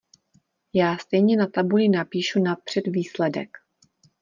Já stejně na tabuli napíšu napřed výsledek.